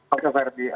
oke pak herdi